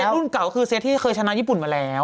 เซ็บรุ่นเก่าคือเซ็ตที่เกิดชนะเยี่ยห์ปุ่นมาแล้ว